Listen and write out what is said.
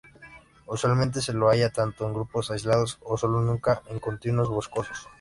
Usualmente se lo halla tanto en grupos aislados o solo, nunca en continuos boscosos.